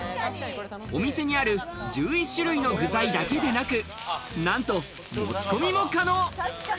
お店にある１１種類の具材だけでなく、なんと持ち込みも可能。